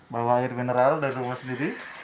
bawa air mineral dari rumah sendiri